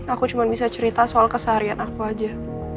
aku cuma bisa cerita soal keseharian aku aja